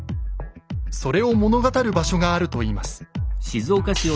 それを物語る場所があるといいます。